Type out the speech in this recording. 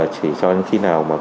chỉ cho khi nào